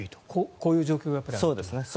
こういう状況があるということですね。